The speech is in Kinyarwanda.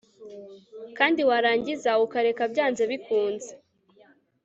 kandi warangiza ukareka byanze bikunze